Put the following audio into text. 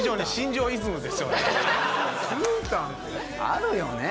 あるよね。